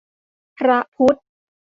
พระพุทธ